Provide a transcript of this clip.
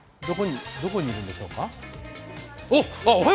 どこどこにいるんでしょうかあっ！